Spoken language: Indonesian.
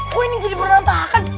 kok ini jadi berantakan